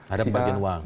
ada pembagian uang